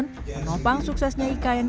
untuk menjaga kemampuan